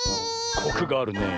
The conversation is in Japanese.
コクがあるねえ。